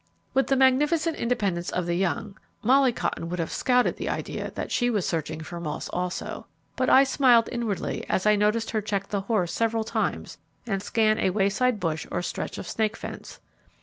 With the magnificent independence of the young, Molly Cotton would have scouted the idea that she was searching for moths also, but I smiled inwardly as I noticed her check the horse several times and scan a wayside bush, or stretch of snake fence.